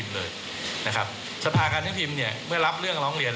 และบางทีจะเป็นเรื่องซึ่งที่